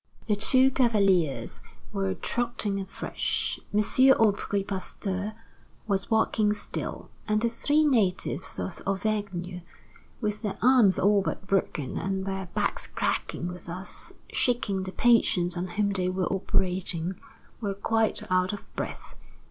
The two cavaliers were trotting afresh. M. Aubry Pasteur was walking still; and the three natives of Auvergne, with their arms all but broken and their backs cracking with thus shaking the patients on whom they were operating, were quite out of breath.